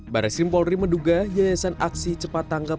baris krimpolri menduga yayasan aksi cepat tanggap